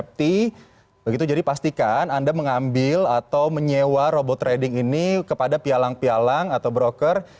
begitu jadi pastikan anda mengambil atau menyewa robot trading ini kepada pialang pialang atau broker